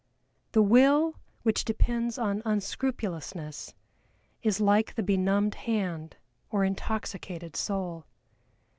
The will which depends on unscrupulousness is like the benumbed hand or intoxicated soul.